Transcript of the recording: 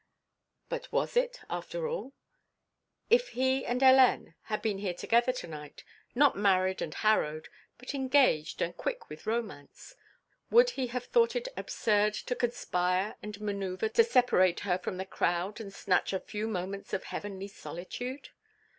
But, was it, after all? If he and Hélène had been here together to night, not married and harrowed, but engaged and quick with romance, would he have thought it absurd to conspire and maneuver to separate her from the crowd and snatch a few moments of heavenly solitude?